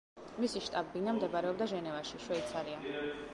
მისი შტაბ-ბინა მდებარეობდა ჟენევაში, შვეიცარია.